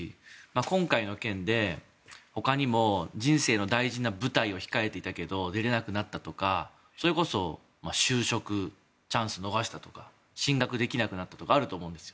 今回の件で、ほかにも人生の大事な舞台を控えていたけど出れなくなったとかそれこそ就職チャンスを逃したとか進学できなくなったとかあると思うんです。